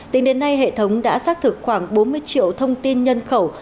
tính đến nay hệ thống đã xác thực khoảng bốn mươi triệu thông tin nhân khẩu